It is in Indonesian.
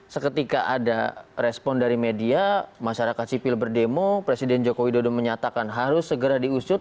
seketika ada respon dari media masyarakat sipil berdemo presiden joko widodo menyatakan harus segera diusut